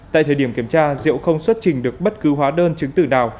tại thời điểm kiểm tra diệu không xuất trình được bất cứ hóa đơn chứng tử nào